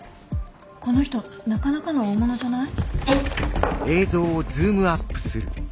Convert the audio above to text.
この人なかなかの大物じゃない？